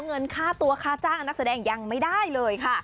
เงินค่าตัวค่าจ้างนักแสดงยังไม่ได้เลยค่ะ